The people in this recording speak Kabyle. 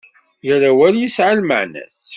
Yal awal yesεa lmeεna-s.